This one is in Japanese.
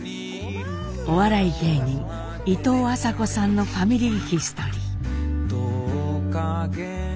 お笑い芸人いとうあさこさんの「ファミリーヒストリー」。